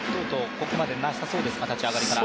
ここまでなさそうですか、立ち上がりから。